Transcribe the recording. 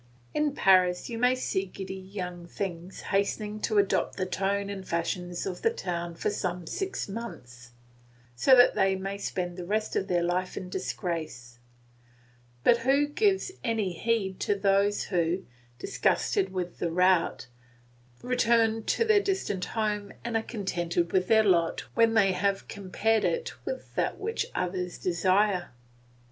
In Paris you may see giddy young things hastening to adopt the tone and fashions of the town for some six months, so that they may spend the rest of their life in disgrace; but who gives any heed to those who, disgusted with the rout, return to their distant home and are contented with their lot when they have compared it with that which others desire.